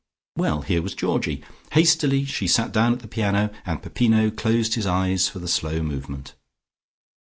Well here was Georgie. Hastily she sat down at the piano, and Peppino closed his eyes for the slow movement.